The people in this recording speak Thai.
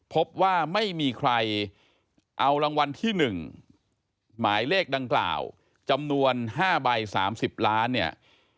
พบว่าไม่มีใครเอารางวัลที่๑หมายเลขดังกล่าวจำนวน๕ใบ๓๐ล้านเนี่ย